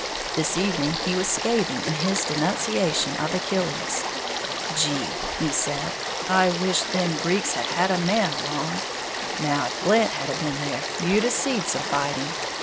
This evening he was scathing in his denunciation of Achilles. "Gee," he said, "I wisht them Greeks had a had a man along. Now if Blant had a been there, you'd a seed some fighting!